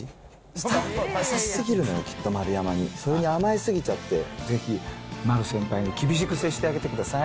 スタッフが優しすぎるのよ、きっと丸山に、それに甘えすぎちゃって、ぜひ丸先輩に厳しく接してあげてください。